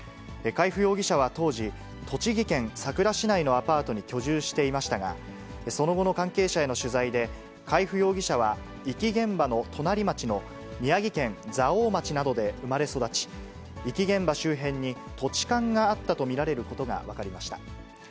海部容疑者は当時、栃木県さくら市内のアパートに居住していましたが、その後の関係者への取材で、海部容疑者は、遺棄現場の隣町の宮城県蔵王町などで生まれ育ち、遺棄現場周辺に土地勘があったと見られることが分かりました。